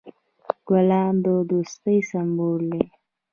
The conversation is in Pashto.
ګلان د دوستی سمبول دي.